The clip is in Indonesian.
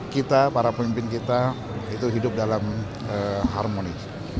kita para pemimpin kita itu hidup dalam harmonis